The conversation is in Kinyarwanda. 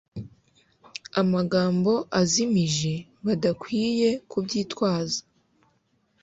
amagambo azimije, badakwiye kubyitwaza